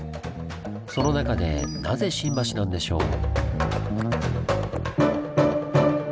その中でなぜ新橋なんでしょう？